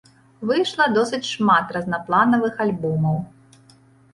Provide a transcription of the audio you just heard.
Выйшла досыць шмат разнапланавых альбомаў.